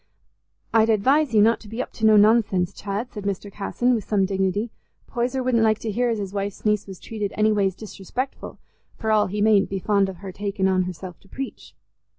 "I'd advise you not to be up to no nonsense, Chad," said Mr. Casson, with some dignity; "Poyser wouldn't like to hear as his wife's niece was treated any ways disrespectful, for all he mayn't be fond of her taking on herself to preach."